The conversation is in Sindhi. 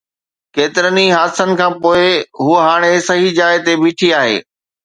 ڪيترن ئي حادثن کان پوءِ، هوءَ هاڻي صحيح جاءِ تي بيٺي آهي.